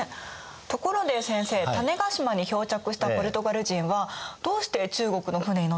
ところで先生種子島に漂着したポルトガル人はどうして中国の船に乗ってたんですか？